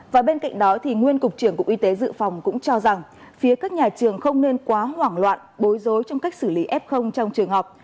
và bên cạnh đó nguyên cục trưởng cục y tế dự phòng cũng cho rằng phía các nhà trường không nên quá hoảng loạn bối rối trong cách xử lý f trong trường học